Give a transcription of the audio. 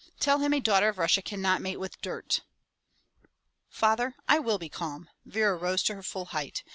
Tell him a daughter of Russia cannot mate with dirt!" "Father, I will be calm/' Vera rose to her full height.